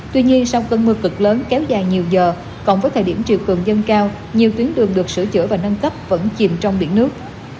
tuy nhiên sau cơn mưa cực lớn kéo dài nhiều giờ cộng với thời điểm triều cường dâng cao nhiều tuyến đường được sửa chữa và nâng cấp vẫn chìm trong biển nước